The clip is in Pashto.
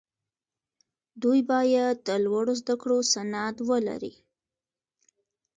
دوی باید د لوړو زدکړو سند ولري.